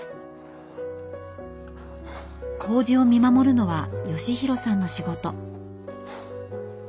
こうじを見守るのは義弘さんの仕事。